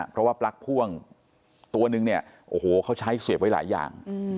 เพราะว่าปลั๊กพ่วงตัวนึงเนี่ยโอ้โหเขาใช้เสียบไว้หลายอย่าง